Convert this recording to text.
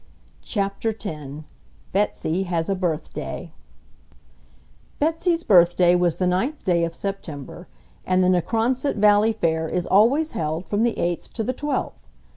CHAPTER X BETSY HAS A BIRTHDAY Betsy's birthday was the ninth day of September, and the Necronsett Valley Fair is always held from the eighth to the twelfth.